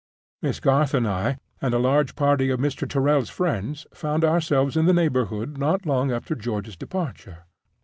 Miss Garth and I, and a large party of Mr. Tyrrel's friends, found ourselves in the neighborhood not long after George's departure.